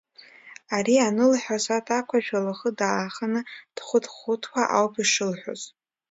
Ари анылҳәоз аҭакәажә лхы дааханы, дхәыҭхәыҭуа ауп ишылҳәоз.